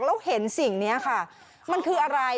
แล้วเห็นสิ่งนี้ค่ะมันคืออะไร